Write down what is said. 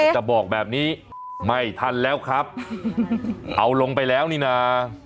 จะบอกแบบนี้ไม่ทันแล้วครับเอาลงไปแล้วนี่นะ